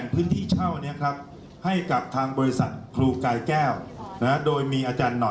เป็นระยะเวลา๒๐ปี